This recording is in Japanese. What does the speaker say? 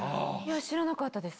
知らなかったです